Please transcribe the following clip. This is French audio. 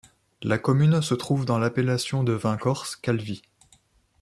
La commune se trouve dans l'appellation de vin Corse Calvi.